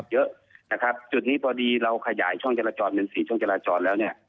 เยอะนะครับจุดนี้พอดีเราขยายช่องจราจรเป็น๔ช่องจราจรแล้วเนี่ย